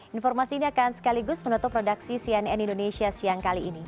informasi ini akan sekaligus menutup produksi cnn indonesia siang kali ini